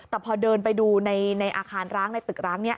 แต่พอเดินไปดูในอาคารร้างในตึกร้างนี้